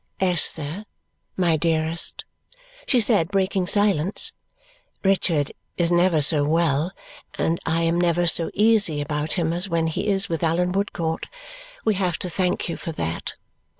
"Esther, my dearest," she said, breaking silence, "Richard is never so well and I am never so easy about him as when he is with Allan Woodcourt. We have to thank you for that."